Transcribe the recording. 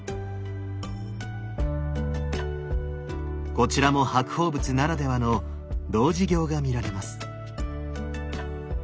こちらも白鳳仏ならではの童子形が見られます。